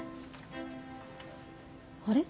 あれ？